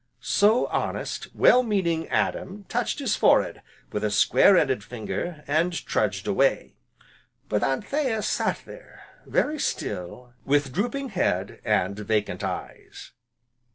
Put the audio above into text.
So, honest, well meaning Adam touched his forehead with a square ended finger, and trudged away. But Anthea sat there, very still, with drooping head, and vacant eyes.